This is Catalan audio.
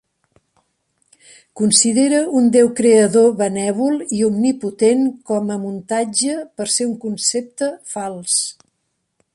Considera un déu creador benèvol i omnipotent com a muntatge per ser un concepte fals.